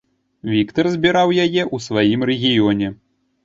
Віктар збіраў яе ў сваім рэгіёне.